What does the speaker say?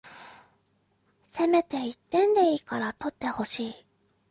せめて一点でいいから取ってほしい